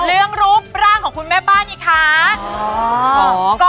เรื่องรูปร่างของคุณแม่บ้านอีกครั้ง